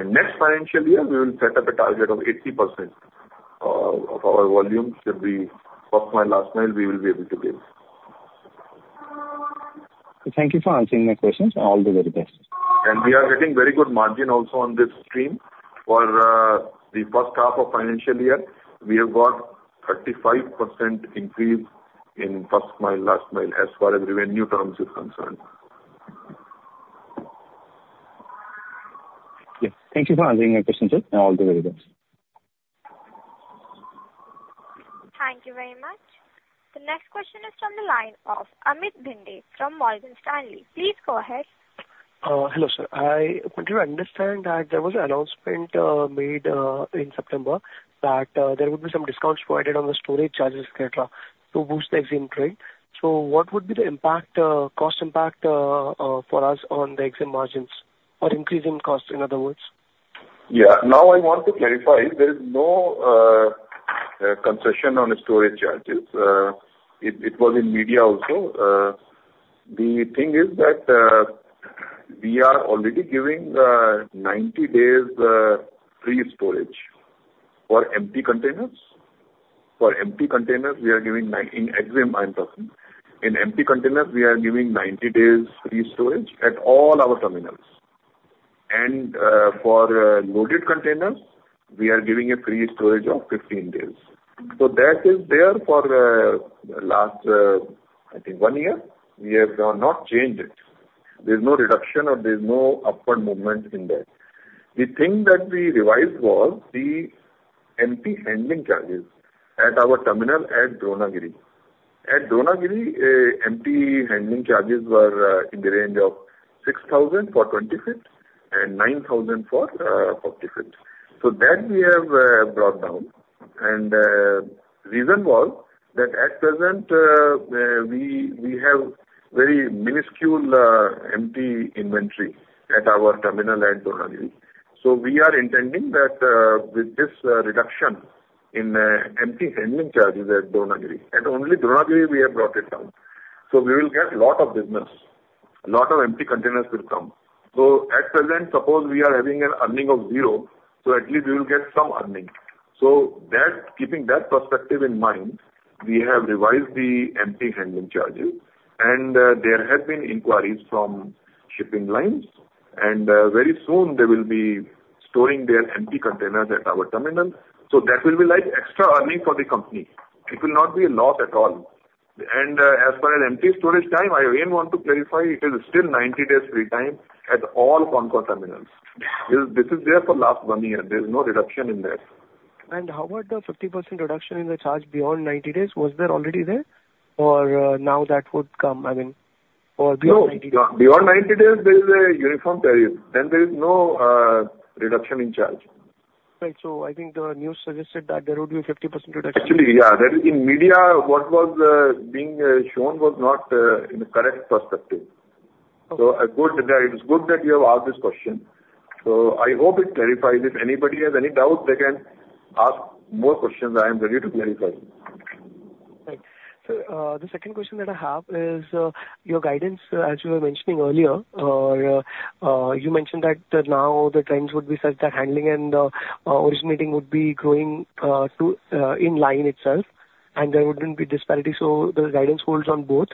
Next financial year we will set up a target of 80% of our volume should be first mile last mile we will be able to give. Thank you for answering my questions. All the very best, and we are getting very good margin also on this stream for the first half of financial year. We have got 35% increase in first mile, last mile as far as revenue terms is concerned. Thank you for answering your question, sir. All the very best. Thank you very much. The next question is from the line of Amit Bhinde from Morgan Stanley. Please go ahead. Hello, sir. I want you to understand that there was an announcement made in September that there would be some discounts provided on the storage charges, etc. to. Boost the Exim trade. So what would be the impact, cost impact for us on the Exim margins or increasing costs in other words? Yeah, now I want to clarify. There is no concession on storage charges. It was in media also the thing is that we are already giving 90 days free storage for empty containers. For empty containers we are giving in exim. I am talking in empty containers. We are giving 90 days free storage at all our terminals and for loaded containers we are giving a free storage of 15 days. So that is there for last one year. We have not changed it. There's no reduction or there's no upward movement in that. The thing that we revised was the empty handling charges at our terminal at Dronagiri. At Dronagiri empty handling charges were in the range of 6,000 for 20 ft and 9,000 for 40 ft. So that we have brought down and reason was that at present we have very minuscule empty inventory at our terminal at Dronagiri. So we are intending that with this reduction in empty handling charges at Dronagiri and only Dronagiri we have brought it down. So we will get lot of business, lot of empty containers will come. So at present suppose we are having an earning of zero. So at least we will get some earning. So that keeping that perspective in mind, we have revised the empty handling charges and there have been inquiries from shipping lines and very soon they will be storing their empty containers at our terminal. So that will be like extra earning for the company. It will not be a lot at all. And as far as empty storage time, I again want to clarify it is still 90 days free time and at all CONCOR terminals. This is there for last one year. There is no reduction in that. How about the 50% reduction in the charge beyond 90 days? Was there already there or now that? Would come, I mean, or beyond 90. Dadri, there is a uniform period, then there is no reduction in charge. Right. So I think the news suggested that. There would be 50% reduction actually. Yeah, in media what was being shown was not in the correct perspective. So it's good that you have all this question. So I hope it clarifies if anybody has any doubt they can ask more questions. I am ready to clarify. The second question that I have is your guidance, as you were mentioning earlier or you mentioned that now the trends would be such that handling and originating would be growing to in line itself and there wouldn't be disparity. So the guidance holds on both.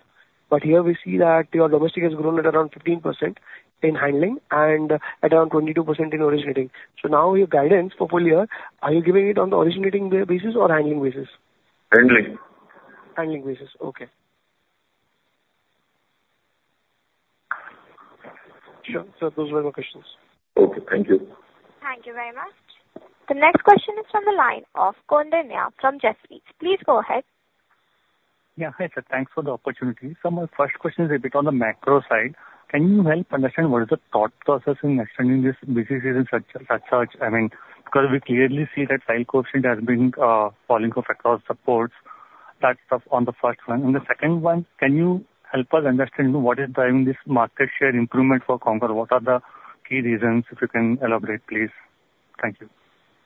But here we see that your domestic has grown at around 15% in handling and around 22% in originating. So now your guidance for full year, are you giving it on the originating basis or handling basis? Handling basis. Okay, sure, sir, those were the questions. Okay, thank you. Thank you very much. The next question is from the line of Koundinya from Jefferies, please go ahead. Yeah, thanks for the opportunity. So my first question is a bit on the macro side. Can you help understand what is the thought process in extending this BSS? I mean, because we clearly see that. Utilization has been falling off across segments, that stood out in the first one and the second one. Can you help us understand what is driving this market share improvement for CONCOR? What are the key reasons? If you can elaborate, please. Thank you.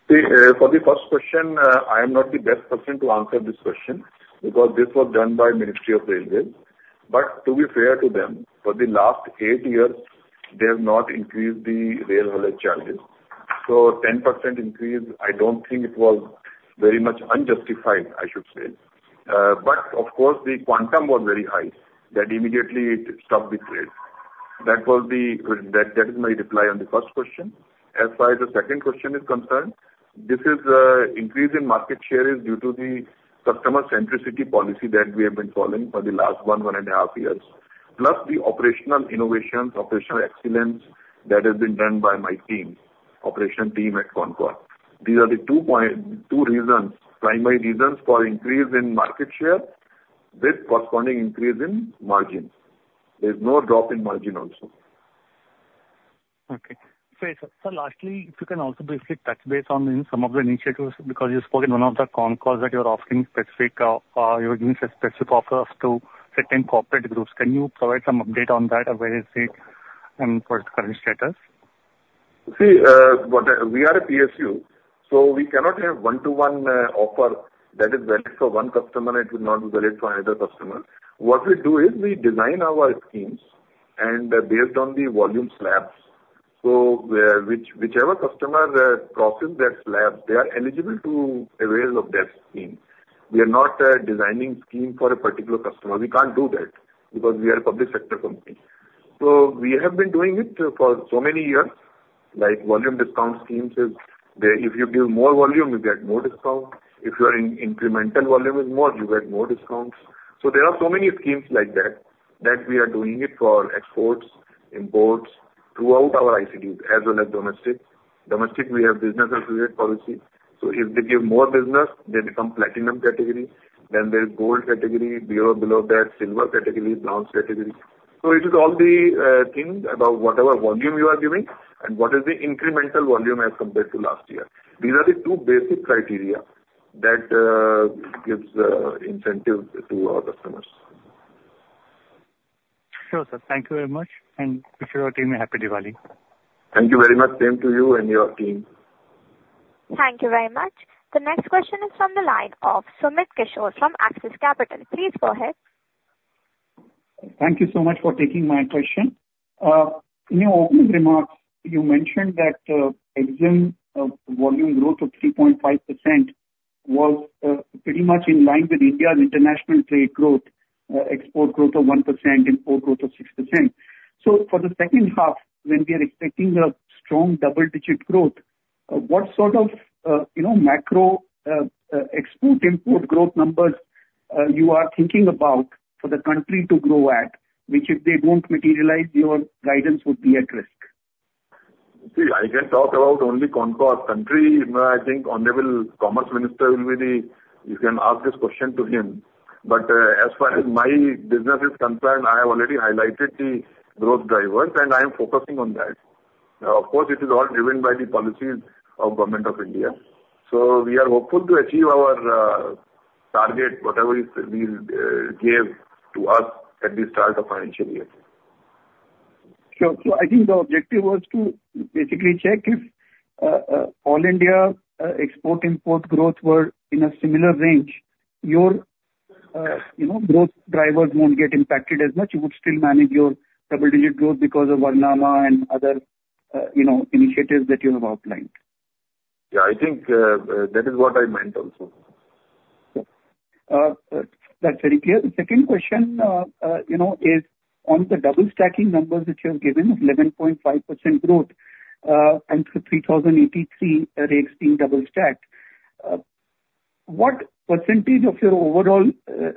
For the first question, I am not the best person to answer this question because this was done by Ministry of Railways. But to be fair to them, for the last eight years they have not increased the railway charges. So 10% increase. I don't think it was very much unjustified, I should say. But of course the quantum was very high that immediately it stopped the trade that was the. That is my reply on the first question. As far as the second question is concerned, this increasing market share is due to the customer centricity policy that we have been following for the last one and a half years. Plus the operational innovations, operational excellence that has been done by my operations team at CONCOR. These are the two, two reasons, primary reasons for. For increase in market share with corresponding increase in margin. There's no drop in margin also. Okay. So lastly, if you can also briefly touch base on some of the initiatives because you spoke in one of the con calls that you're offering specific. You're giving specific offers to certain corporate groups. Can you provide some update on that? Or, where is its current status? See, we are a PSU, so we cannot have one-to-one offers that are valid for one customer. It will not be valid for another customer. What we do is we design our schemes based on the volume slabs. So whichever customer processes that slab, they are eligible to avail of that scheme. We are not designing schemes for a particular customer. We can't do that because we are a public sector company. So we have been doing it for so many years. Like, volume discount schemes: if you give more volume, you get more discount. If your incremental volume is more, you get more discounts. So there are so many schemes like that that we are doing for exports, imports throughout our ICDs, as well as domestic. We have business associate policy. So if they give more business, they become Platinum category. Then there's Gold category. Below that, Silver category is launched. So it is all the things about whatever volume you are giving and what is the incremental volume as compared to last year. These are the two basic criteria that gives incentive to our customers. Sure sir. Thank you very much and wish your team, a happy Diwali. Thank you very much. Same to you and your team. Thank you very much. The next question is from the line of Sumit Kishore from Axis Capital. Please go ahead. Thank you so much for taking my question. In your opening remarks you mentioned that Exim volume growth of 3.5% was pretty much in line with India's international trade growth. Export growth of 1%, import growth of 6%. So for the second half when we are expecting a strong double digit growth, what sort of macro export import growth numbers you are thinking about for the country to grow at which if they don't materialize your guidance would be at risk? See, I can talk about only CONCOR. I think honorable Commerce Minister will be the. You can ask this question to him. But as far as my business is concerned, I have already highlighted the growth drivers and I am focusing on that. Of course it is all driven by the policies of Government of India. So we are hopeful to achieve our target whatever gave to us at the start of financial year. So, I think the objective was to basically check if all-India export-import growth were in a similar range. Your growth drivers won't get impacted as much. You would still manage your double-digit. Growth because of Varnama and other, you. No, initiatives that you have outlined. Yeah, I think that is what I meant also. That's very clear. The second question you know is on the double stacking numbers that you have given. 11.5% growth and 3,083 rakes being double stacked. What percentage of your overall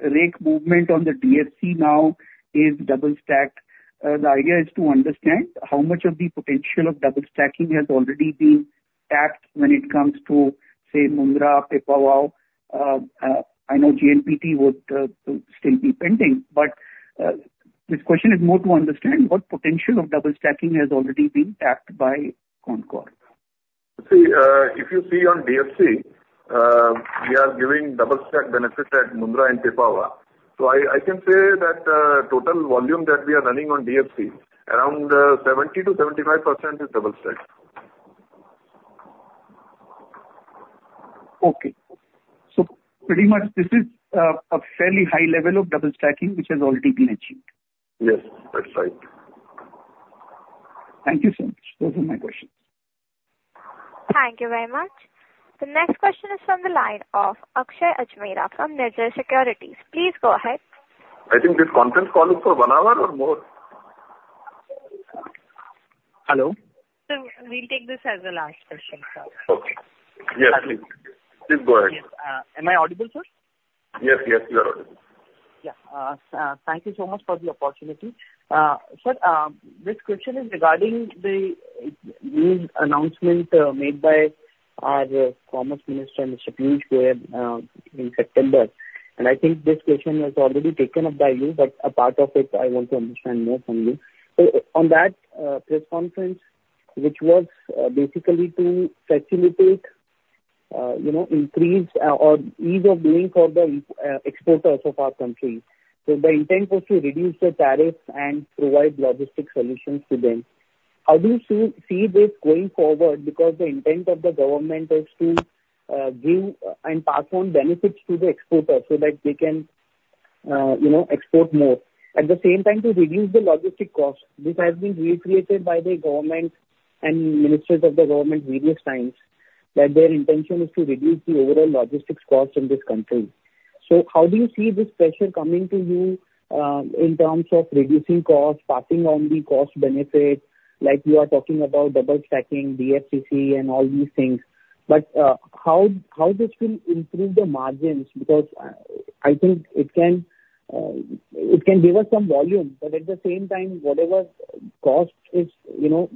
rake movement on the DFC now is, is double stacked? The idea is to understand how much of the potential of double stacking has already been tapped when it comes to say Mundra. I know JNPT would still be pending but this question is more to understand what potential of double stacking has already been tapped by CONCOR. See if you see on DFC we are giving double stack benefit at Mundra, and so I can say that total volume that we are running on DFC around 70%-75% is double stacked. Okay, so pretty much this is a fairly high level of double stacking which has already been achieved. Yes, that's right. Thank you so much. Those are my questions. Thank you very much. The next question is from the line of Akshay Ajmera from Nuvama Institutional Equities. Please go ahead. I think this conference call is for one hour or more. Hello. So we'll take this as the last question. Am I audible, sir? Yes, yes you are. Yeah. Thank you so much for the opportunity. Sir, this question is regarding the news announcement made by our Commerce Minister Mr. Piyush Goyal in September. And I think this question was already taken up by you, but a part of it I want to understand more from you on that press conference which was basically to facilitate, you know, increase or ease of doing for the exporters of our country. So the intent was to reduce the tariffs and provide logistic solutions to them. How do you see this going forward? Because the intent of the government is to give and pass on benefits to the exporter so that they can, you know, export more at the same time to reduce the logistic cost. This has been reiterated by the government and ministers of the government various times that their intention is to reduce the overall logistics cost in this country. So how do you see this pressure coming to you in terms of reducing cost, passing on the cost benefit? Like you are talking about double stacking, DFC and all these things. But how. How this will improve the margins? Because I think it can. It can give us some volume. But at the same time, whatever cost is, you know,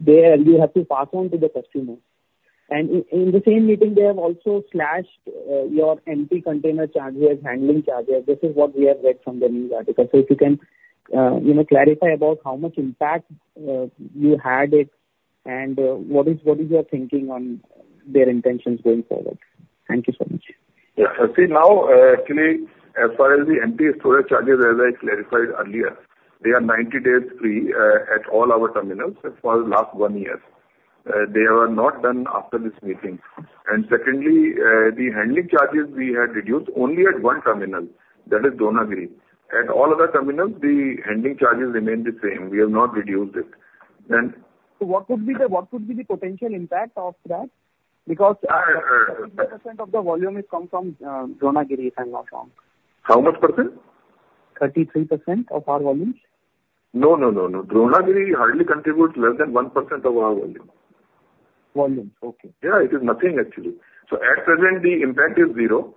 there you have to pass on to the customer. And in the same meeting they have also slashed your empty container charges. Handling charges. This is what we have read from the news article. So if you can, you know, clarify about how much impact you had it and what is. What is your thinking on their intentions going forward. Thank you so much. Yes. See now actually as far as the empty storage charges, as I clarified earlier, they are 90 days free at all our terminals. For the last one year they were not done after this meeting. And secondly, the handling charges we had reduced only at one terminal, that is Dronagiri. At all other terminals the handling charges remain the same. We have not reduced it. Then what would be the potential impact of that? Because the volume is come from Dronagiri, if I'm not wrong. How much percent? 33% of our volumes. No, no, no, no. Dronagiri hardly contributes less than 1% of our volume. Yeah, it is nothing actually. So at present the impact is zero.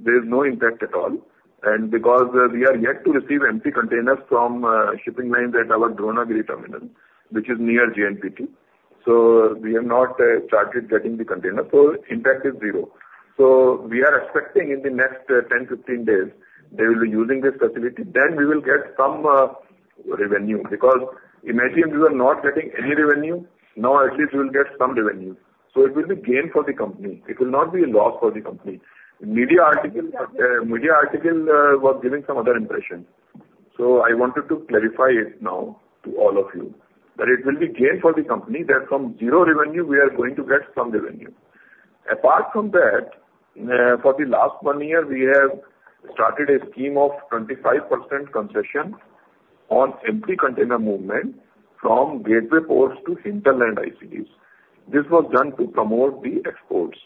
There is no impact at all. And because we are yet to receive empty containers from shipping lines at our Dronagiri terminal which is near JNPT so we have not started getting the container. So impact is zero. So we are expecting in the next 10-15 days they will be using this facility. Then we will get some revenue. Because imagine we were not getting any revenue. Now at least we will get some revenue. So it will be gain for the company. It will not be a loss for the company. Media article was giving some other impression. So I wanted to clarify it now to all of you. That it will be gain for the company that from zero revenue we are going to get some revenue. Apart from that, for the last one year we have started a scheme of 25% concession on empty container movement from Gateway ports to hinterland ICDs. This was done to promote the exports.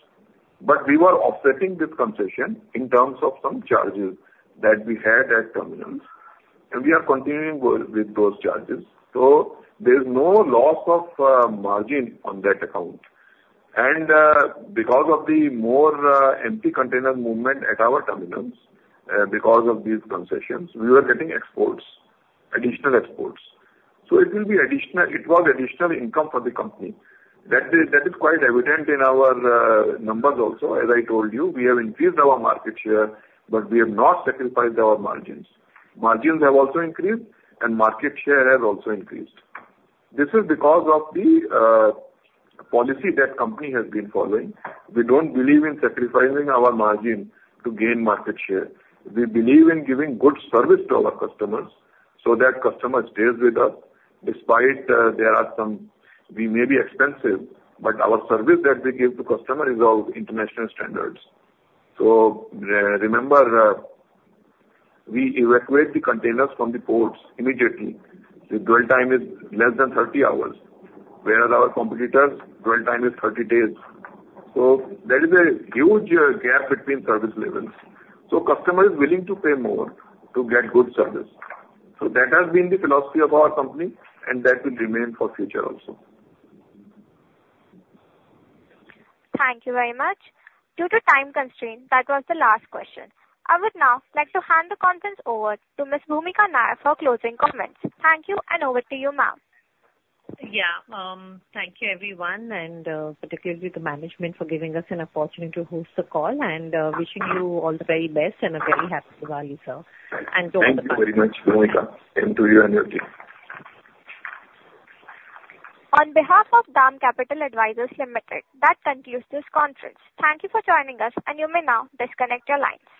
But we were offsetting this concession in terms of some charges that we had at terminals. And we are continuing with those charges. So there's no loss of margin on that account. And because of the more empty container movement at our terminals, because of these concessions, we were getting exports, additional exports. So it will be additional. It was additional income for the company. That is quite evident in our numbers. Also as I told you, we have increased our market share but we have not sacrificed our margins. Margins have also increased and market share has also increased. This is because of the policy that company has been following. We don't believe in sacrificing our margin to gain market share. We believe in giving good service to our customers. So that customer stays with us. Despite there are some, we may be expensive but our service that we give to customer is of international standards. So remember we evacuate the containers from the ports immediately. The dwell time is less than 30 hours. Whereas our competitors' dwell time is 30 days. So there is a huge gap between service levels. So customer is willing to pay more to get good service. So that has been the philosophy of our company, and that will remain for future also. Thank you very much. Due to time constraint. That was the last question. I would now like to hand the conference over to Ms. Bhoomika Nair for closing comments. Thank you. And over to you, ma'am. Yeah. Thank you, everyone, and particularly the management for giving us an opportunity to host the call, and wishing you all the very best and a very happy Diwali sir. Thank you very much. To you and your team. On behalf of DAM Capital Advisors Limited. That concludes this conference. Thank you for joining us. You may now disconnect your lines.